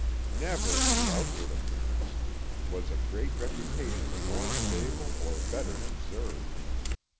Never, to outward appearance, was a great reputation more stable or better deserved.